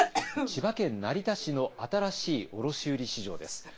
千葉県成田市の新しい卸売市場です。